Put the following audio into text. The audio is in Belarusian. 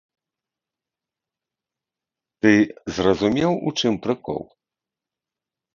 Ты зразумеў, у чым прыкол?